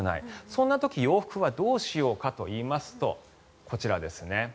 そんな時洋服はどうしようかといいますとこちらですね。